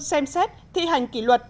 xem xét thi hành kỷ luật